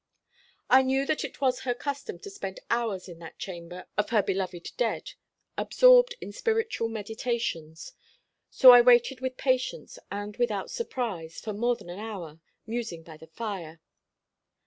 "I knew that it was her custom to spend hours in that chamber of her beloved dead, absorbed in spiritual meditations; so I waited with patience, and without surprise, for more than an hour, musing by the fire.